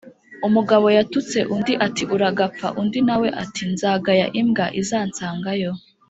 Umugabo yatutse undi ati uragapfa undi nawe ati nzagaya imwba izansangayo.